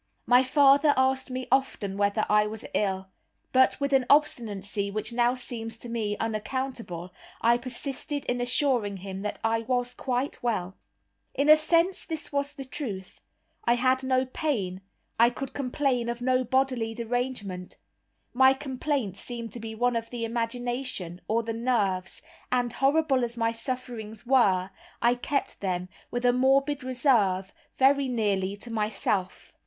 My father asked me often whether I was ill; but, with an obstinacy which now seems to me unaccountable, I persisted in assuring him that I was quite well. In a sense this was true. I had no pain, I could complain of no bodily derangement. My complaint seemed to be one of the imagination, or the nerves, and, horrible as my sufferings were, I kept them, with a morbid reserve, very nearly to myself.